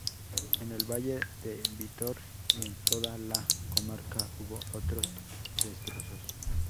En el valle de Vítor y en toda la comarca hubo otros destrozos.